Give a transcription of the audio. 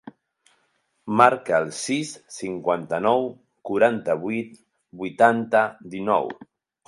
Marca el sis, cinquanta-nou, quaranta-vuit, vuitanta, dinou.